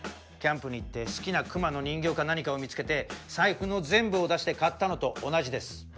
キャンプに行って好きな熊の人形か何かを見つけて財布の全部を出して買ったのと同じです。